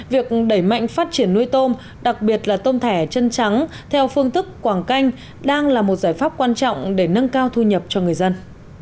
việc đẩy mạnh phát triển nuôi tôm đặc biệt là tôm thẻ chân trắng theo phương thức quảng canh đang là một giải pháp quan trọng để nâng cao thu nhập cho người dân